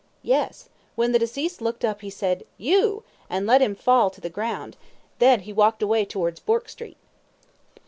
A. Yes. When the deceased looked up he said "You!" and let him fall on to the ground; then he walked away towards Bourke Street.